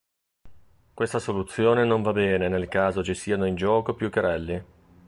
Questa soluzione non va bene nel caso ci siano in gioco più carrelli.